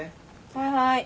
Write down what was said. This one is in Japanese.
はいはい。